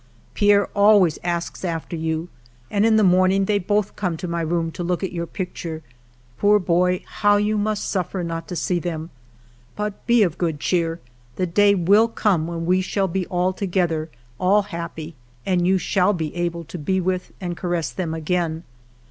Pierre always asks after you, and in the morning they both come to my room to look at your picture. ... Poor boy, how you must suffer not to see them ! But be of good cheer ; the day will come when we shall be all together, all happy, and you shall be able to be with and caress them again.